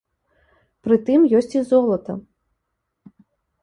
Пры тым ёсць і золата.